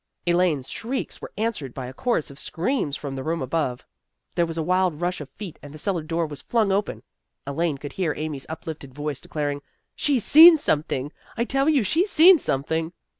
Elaine's shrieks were answered by a chorus of screams from the room above. There was a wild rush of feet and the cellar door was flung open. Elaine could hear Amy's uplifted voice declaring, " She's seen something! I tell you she's seen something!